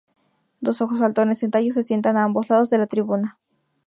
Dos ojos saltones en tallos se sientan a ambos lados de la tribuna.